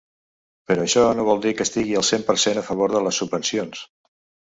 Però això no vol dir que estigui al cent per cent a favor de les subvencions.